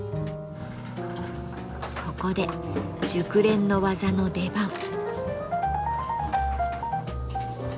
ここで熟練の技の出番。